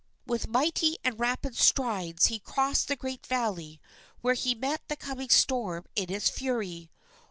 With mighty and rapid strides he crossed the great valley, where he met the coming storm in its fury.